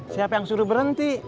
siapa yang suruh berhenti